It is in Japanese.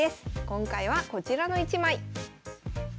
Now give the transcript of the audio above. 今回はこちらの１枚。